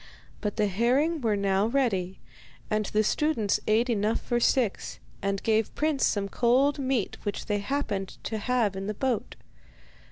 But the herring were now ready, and the students ate enough for six, and gave Prince some cold meat which they happened to have in the boat.